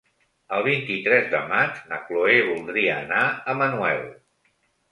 El vint-i-tres de maig na Cloè voldria anar a Manuel.